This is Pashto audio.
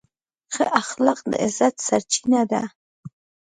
ښه اخلاق د عزت سرچینه ده.